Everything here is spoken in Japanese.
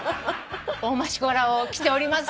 オオマシコ柄を着ております。